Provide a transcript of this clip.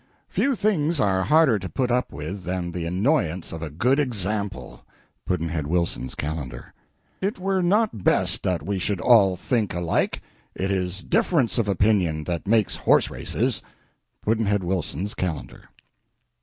Few things are harder to put up with than the annoyance of a good example. Pudd'nhead Wilson's Calendar. It were not best that we should all think alike; it is difference of opinion that makes horse races. Pudd'nhead Wilson's Calendar.